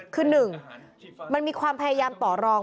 คือหนึ่งมันมีความพยายามป่อรอง